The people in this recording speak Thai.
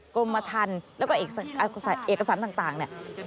กรมฐานและเอกสารต่างนี่